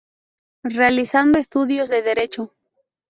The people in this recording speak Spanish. Realizando estudios de Derecho.